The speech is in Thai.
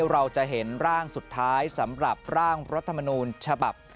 เราจะเห็นร่างสุดท้ายสำหรับร่างรัฐมนูญฉบับ